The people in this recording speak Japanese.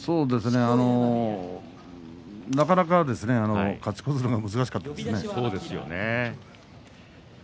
なかなか勝ち越すのが難しかったですね。